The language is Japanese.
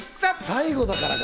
最後だからか！